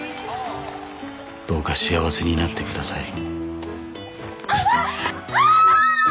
「どうか幸せになってください」